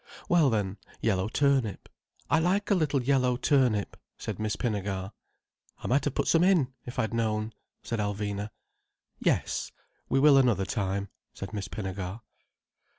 "Well then, yellow turnip. I like a little yellow turnip," said Miss Pinnegar. "I might have put some in, if I'd known," said Alvina. "Yes. We will another time," said Miss Pinnegar.